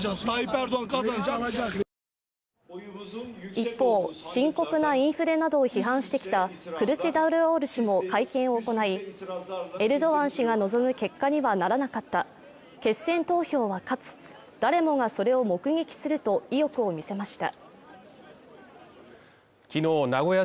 一方、深刻なインフレなどを批判してきたクルチダルオール氏も会見を行い、エルドアン氏が望む結果にはならなかった決選投票は勝つ誰もがそれを目撃すると意欲を見せました。